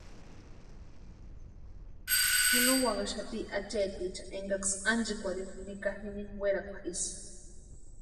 Janonkwanhaxati acheticha enkaksï ánchikwarhini nika jini werakwa isï.